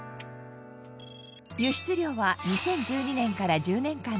輸出量は２０１２年から１０年間で倍増。